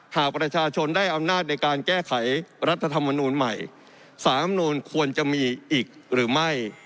หากประชาชนได้อำนาจในการแก้ไขรัฐธรรมนูลใหม่สารธรรมนูลควรจะมีอีกหรือไม่